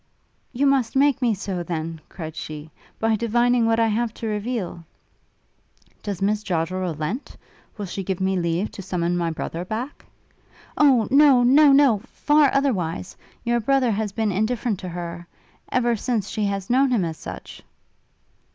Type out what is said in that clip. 'You must make me so, then,' cried she, 'by divining what I have to reveal!' 'Does Miss Joddrel relent? Will she give me leave to summon my brother back?' 'Oh no! no! no! far otherwise. Your brother has been indifferent to her ... ever since she has known him as such!'